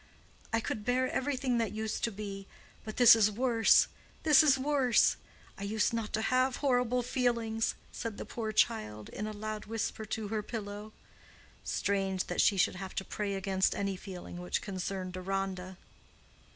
"I could bear everything that used to be—but this is worse—this is worse,—I used not to have horrible feelings!" said the poor child in a loud whisper to her pillow. Strange that she should have to pray against any feeling which concerned Deronda!